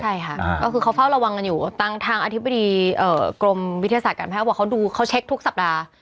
ใช่ค่ะก็คือเขาเฝ้าระวังกันอยู่ทางอธิบดีกรมวิทยาศาสตร์การแพทย์บอกเขาดูเขาเช็คทุกสัปดาห์